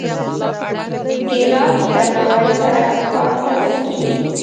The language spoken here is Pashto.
ګیلاس له درناوي سره پاک ساتل کېږي.